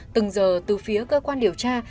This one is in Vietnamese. từng giờ từ phía cơ quan điều tra